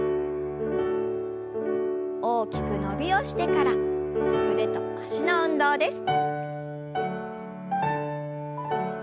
大きく伸びをしてから腕と脚の運動です。